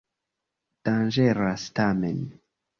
Danĝeras tamen.